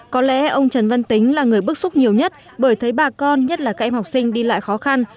có lẽ ông trần văn tính là người bức xúc nhiều nhất bởi thấy bà con nhất là các em học sinh đi lại khó khăn